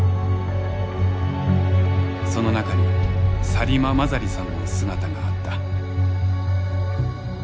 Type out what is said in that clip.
その中にサリマ・マザリさんの姿があった。